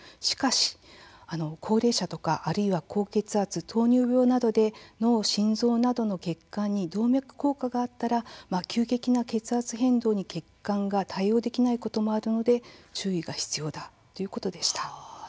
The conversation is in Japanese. しかし高齢者とかあるいは高血圧、糖尿病などで、脳、心臓などの血管に動脈硬化があったら急激な血圧変動に血管が対応できないこともあるので注意が必要だということでした。